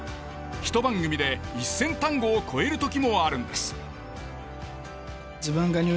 ひと番組で１，０００単語を超える時もあるんです。